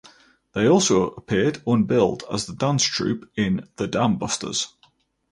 They also appeared unbilled as the dance troupe in "The Dam Busters".